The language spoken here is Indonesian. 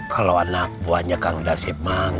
kalau anak buahnya kang dasar mang